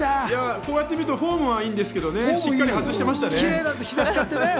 こうやって見ると、フォームはいいですけれど、外してましたね。